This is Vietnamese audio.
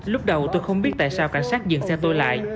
lúc đầu tôi không biết tại sao cảnh sát dừng xe tôi lại